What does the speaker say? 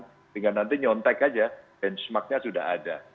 sehingga nanti nyontek aja benchmarknya sudah ada